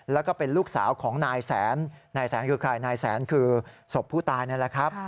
แล้วก็เป็นลูกสาวของนายแสนนายแสนคือใครนายแสนคือศพผู้ตายนั่นแหละครับ